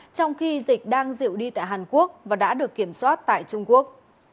trong khi dịch đang diệu đi tại hàn quốc và đã được kiểm soát tại trung quốc